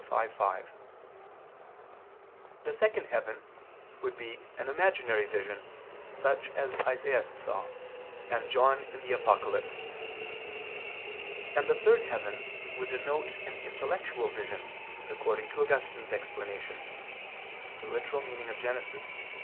5:5); the second heaven would be an imaginary vision such as Isaias saw, and John in the Apocalypse; and the third heaven would denote an intellectual vision according to Augustine's explanation (Gen. ad lit.